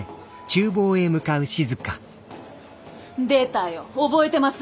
出たよ覚えてます